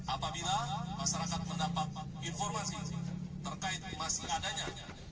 apabila masyarakat mendapat informasi terkait masih adanya